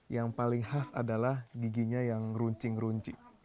yang paling khas adalah giginya yang runcing runcing